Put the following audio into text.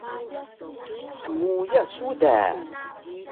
Hmuya su da?